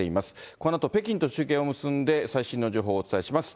このあと、北京と中継を結んで、最新の情報をお伝えします。